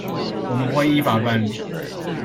我們會依法辦理